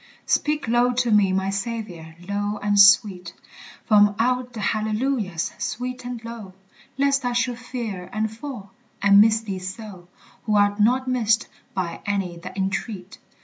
Speak low to me, my Saviour, low and sweet From out the hallelujahs, sweet and low, Lest I should fear and fall, and miss thee so Who art not missed by any that entreat.